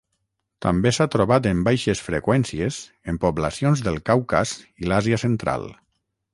També s'ha trobat en baixes freqüències en poblacions del Caucas i l'Àsia central.